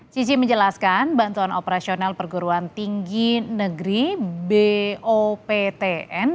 sisi menjelaskan bantuan operasional perguruan tinggi negeri boptn